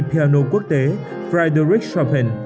piano quốc tế friedrich schopen